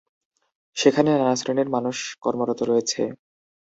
সেখানে নানান শ্রেনীর মানুষ কর্মরত রয়েছে।